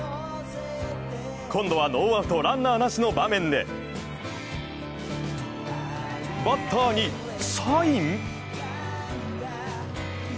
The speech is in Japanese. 今度はノーアウト、ランナーなしの場面でバッターに、サイン？